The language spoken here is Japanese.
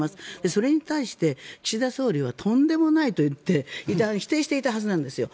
それに対して岸田総理はとんでもないと言って否定していたはずなんですよ。